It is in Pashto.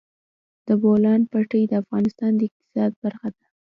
د بولان پټي د افغانستان د اقتصاد برخه ده.